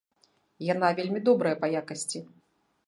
Яна вельмі добрая па якасці.